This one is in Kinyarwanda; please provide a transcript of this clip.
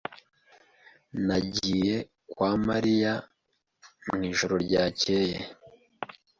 Nagiye kwa na Mariya mwijoro ryakeye.